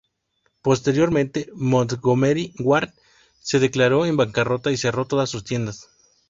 Posteriormente, Montgomery Ward se declaró en bancarrota y cerró todas sus tiendas.